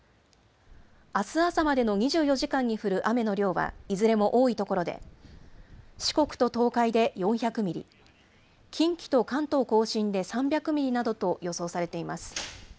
あす朝までの２４時間に降る雨の量はいずれも多い所で、四国と東海で４００ミリ、近畿と関東甲信で３００ミリなどと予想されています。